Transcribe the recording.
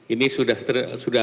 ini sudah terjadi